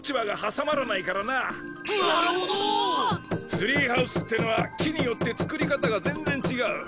ツリーハウスってのは木によって造り方が全然違う。